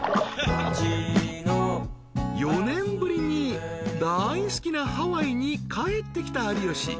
［４年ぶりに大好きなハワイに帰ってきた有吉］